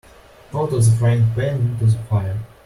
Out of the frying-pan into the fire.